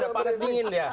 gak panas dingin dia